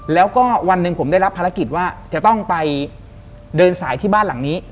แล้วก็วันหนึ่งผมได้รับภารกิจว่าจะต้องไปเดินสายที่บ้านหลังนี้